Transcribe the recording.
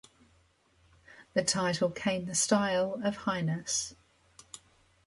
The title came the style of Highness.